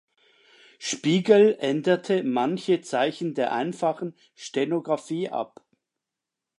Spiegel änderte manche Zeichen der Einfachen Stenografie ab.